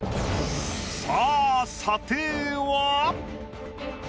さあ査定は？